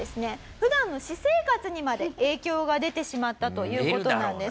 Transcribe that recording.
普段の私生活にまで影響が出てしまったという事なんです。